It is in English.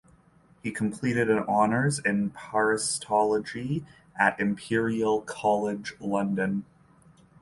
He completed an Honours in Parasitology at Imperial College London.